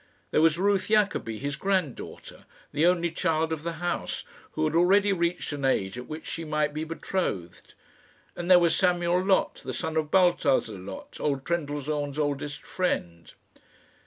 There was Ruth Jacobi, his granddaughter the only child of the house who had already reached an age at which she might be betrothed; and there was Samuel Loth, the son of Baltazar Loth, old Trendellsohn's oldest friend.